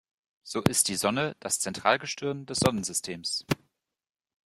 So ist die Sonne das Zentralgestirn des Sonnensystems.